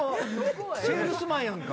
セールスマンやんか。